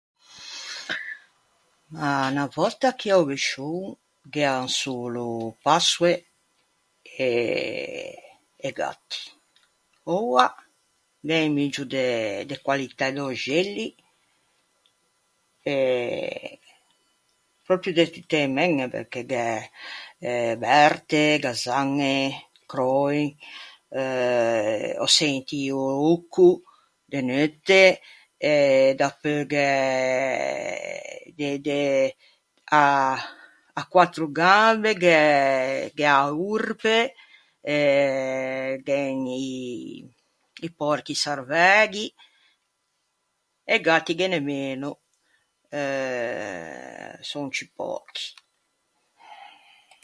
Ma unna vòtta chì a-o Biscion gh’ean solo passoe e e gatti. Oua gh’é un muggio de de qualitæ d’öxelli, e pròpio de tutte e meñe, perché gh’é berte, gazzañe, cröi, euh ò sentio o ouco de neutte e dapeu gh’é de de à à quattro gambe gh’é gh’é a orpe, gh’en i i pòrchi sarvæghi. E gatti ghe n’é meno. Eh, son ciù pöchi.